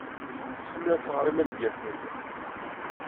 Tḥemmel ad tɣer imangaten.